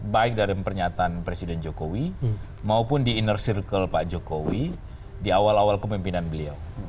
baik dari pernyataan presiden jokowi maupun di inner circle pak jokowi di awal awal pemimpinan beliau